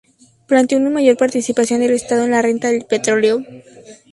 Planteó una mayor participación del Estado en la renta del petróleo.